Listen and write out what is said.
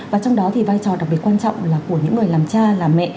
và trong đó thì vai trò đặc biệt quan trọng là của những người làm cha làm mẹ